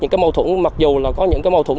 những mâu thuẫn mặc dù có những mâu thuẫn